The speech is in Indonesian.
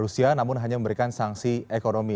rusia namun hanya memberikan sanksi ekonomi